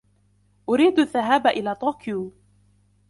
اريدُ الذهاب إلى طوكيو.